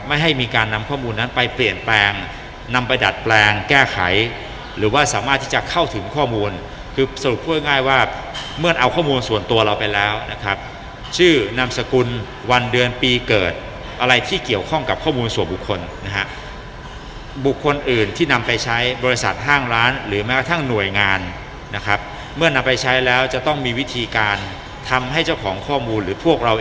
ไม่ให้มีการนำข้อมูลนั้นไปเปลี่ยนแปลงนำไปดัดแปลงแก้ไขหรือว่าสามารถที่จะเข้าถึงข้อมูลคือสรุปพูดง่ายว่าเมื่อนเอาข้อมูลส่วนตัวเราไปแล้วนะครับชื่อนามสกุลวันเดือนปีเกิดอะไรที่เกี่ยวข้องกับข้อมูลส่วนบุคคลนะครับบุคคลอื่นที่นำไปใช้บริษัทห้างร้านหรือแม้กระทั่งหน่วยงานนะครับเมื่